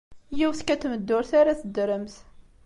Yiwet kan n tmeddurt ara teddremt.